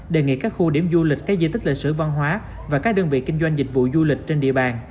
đề nghị các khu điểm du lịch các diện tích lệ sở văn hóa và các đơn vị kinh doanh dịch vụ du lịch trên địa bàn